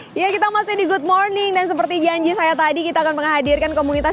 hai ya kita masih di good morning dan seperti janji saya tadi kita akan menghadirkan komunitas